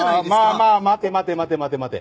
まあまあ待て待て待て待て待て。